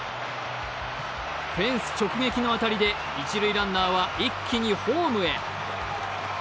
フェンス直撃の当たりで一塁ランナーは一気にホームへ。